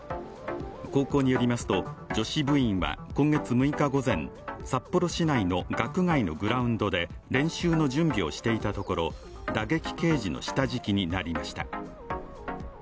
高校によりますと、女子部員は今月６日午前、札幌市内の学外のグラウンドで練習の準備をしていたところ打撃ケージの下敷きになりました。